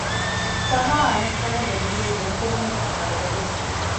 ސަހާ އަނެއްގަނޑަށް އެއްލިއިރު ދެން ފެނުނީ ހުސްގަނޑުތަކެއް